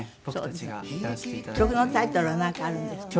曲のタイトルはなんかあるんですか？